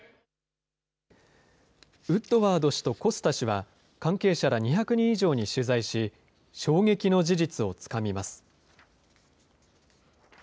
ウッドワード氏とコスタ氏は、関係者ら２００人以上に取材し、衝撃の事実をつかみます。